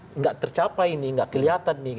tidak tercapai tidak kelihatan